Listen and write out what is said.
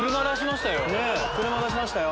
車出しましたよ。